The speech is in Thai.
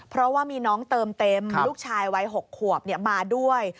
เพราะว่ามีน้องเติมเต็มลูกชายวัย๖ขวบมาด้วย